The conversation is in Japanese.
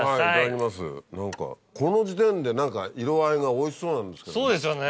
この時点で何か色合いがおいしそうなんですけど漬けみたいな。